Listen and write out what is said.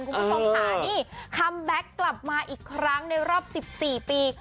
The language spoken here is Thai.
คุณผู้ชมค่ะนี่คัมแบ็คกลับมาอีกครั้งในรอบ๑๔ปี